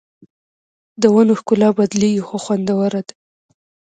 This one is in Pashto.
د ونو ښکلا بدلېږي خو خوندوره ده